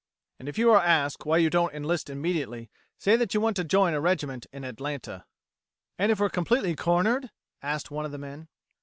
And if you are asked why you don't enlist immediately, say that you want to join a regiment in Atlanta." "And if we're completely cornered?" asked one of the men.